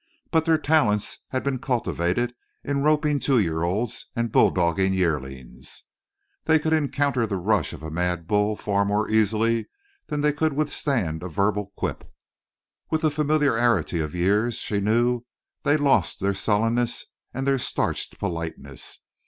But their talents had been cultivated in roping two year olds and bulldogging yearlings. They could encounter the rush of a mad bull far more easily than they could withstand a verbal quip. With the familiarity of years, she knew, they lost both their sullenness and their starched politeness.